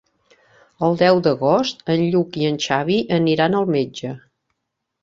El deu d'agost en Lluc i en Xavi aniran al metge.